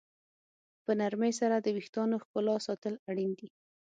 په نرمۍ سره د ویښتانو ښکلا ساتل اړین دي.